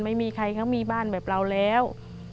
ไม่มีใครเขามีบ้านแบบเราแล้ว